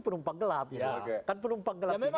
penumpang gelap ya memang